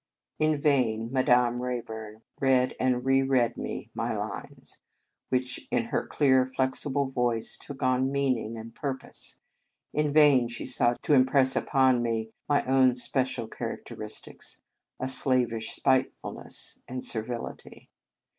In vain Madame Rayburn read and re read me my lines, which, in her clear, flexible voice, took on meaning and purpose. In vain she sought to im press upon me my own especial char acteristics, a slavish spitefulness and servility.